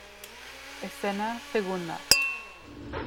Escena segunda.